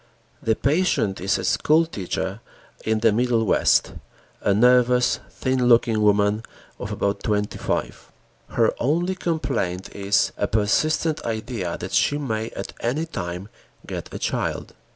The patient is a school teacher in the Middle West, a nervous, thin looking woman of about twenty five. Her only complaint is a persistent idea that she may at any time get a child.